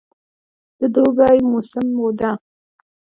د دوبی موسم ده